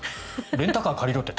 レンタカー借りろって。